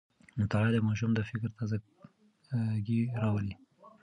مطالعه د ماشوم د فکر تازه ګي راولي.